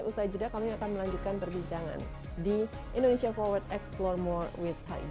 usai jeda kami akan melanjutkan perbincangan di indonesia forward explore more with kali ini